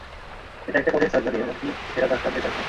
এটা একটা কঠিন সার্জারি, এমনকি সেরা ডাক্তারদের কাছেও।